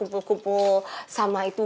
kumpul kumpul sama itu